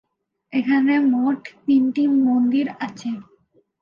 এখানে মোট তিনটি মন্দির আছে।